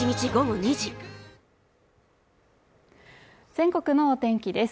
全国のお天気です